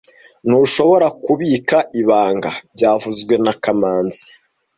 Ntushobora kubika ibanga byavuzwe na kamanzi